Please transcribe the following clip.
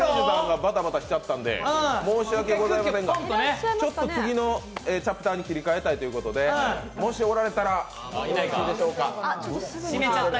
申し訳ございませんが、ちょっと次のチャプターに切り替えたいということでもしおられたらよろしいでしょうか。